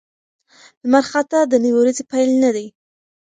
لمرخاته د نوې ورځې پیل نه دی.